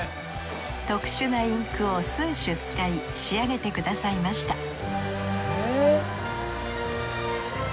特殊なインクを数種使い仕上げてくださいました